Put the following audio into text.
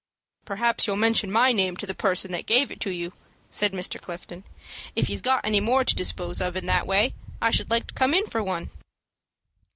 "Perhaps you'll mention my name to the person that gave it to you," said Mr. Clifton. "If he's got any more to dispose of in that way, I should like to come in for one."